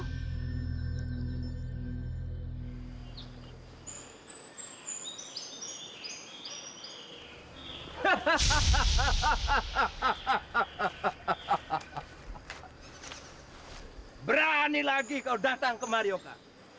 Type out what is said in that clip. hai berani lagi kau datang ke marioka